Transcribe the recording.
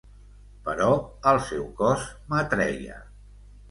Però el seu cos m'atreia.